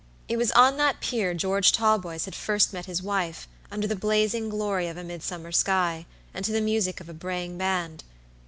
It was on that pier George Talboys had first met his wife, under the blazing glory of a midsummer sky, and to the music of a braying band.